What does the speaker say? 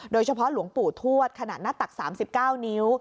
โดยเฉพาะหลวงปู่ทวดขนาดหน้าตักสามสิบเก้านิ้ว